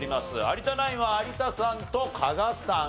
有田ナインは有田さんと加賀さん